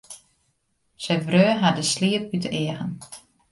Sy wreau har de sliep út de eagen.